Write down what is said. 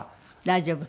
大丈夫？